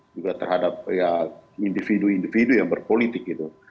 juga terhadap individu individu yang berpolitik